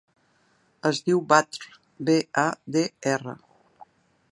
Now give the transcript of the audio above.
Es diu Badr: be, a, de, erra.